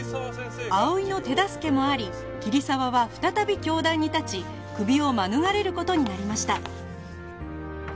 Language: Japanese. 葵の手助けもあり桐沢は再び教壇に立ちクビを免れる事になりました